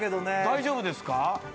大丈夫ですか？